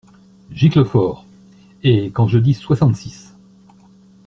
Giclefort. — Et quand je dis soixante-six !…